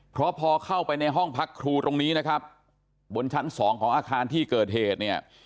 เพราะพอเข้าไปในห้องพักครูตรงนี้นะครับบนชั้นสองของอาคารที่เกิดเหตุเนี่ย